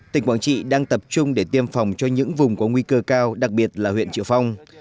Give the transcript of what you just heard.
tỉnh quảng trị đang tập trung để tiêm phòng cho những vùng có nguy cơ cao đặc biệt là huyện triệu phong